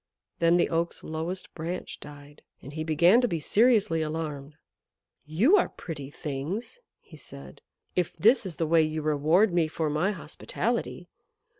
Then the Oak's lowest branch died, and he began to be seriously alarmed. "You are pretty things," he said, "if this is the way you reward me for my hospitality.